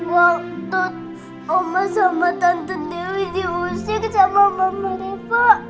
waktu oma sama tante dewi diusir sama mama reva